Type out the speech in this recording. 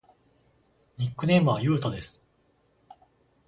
ニックネームはゆうとです。